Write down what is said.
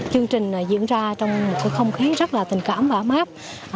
chương trình diễn ra trong một không khí rất là tình cảm và ấm áp